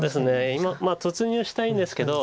突入したいんですけど。